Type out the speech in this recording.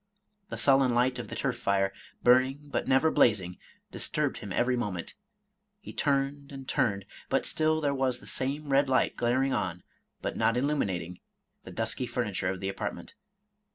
The sullen light of the turf fire, burning but never blazing, disturbed him every moment. He turned and turned, but still there was the same red light glaring on, but not illuminating, the dusky furniture of the apartment.